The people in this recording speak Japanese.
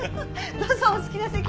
どうぞお好きな席に。